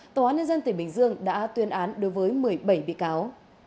tòa án nhân dân tỉnh bình dương đã tuyên án đối với một mươi bảy bị cáo